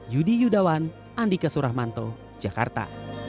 yudi yudawan andika suramanto jakarta